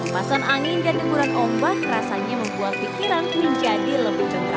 masan angin dan gemuran ombak rasanya membuat pikiran pun jadi lebih jengkak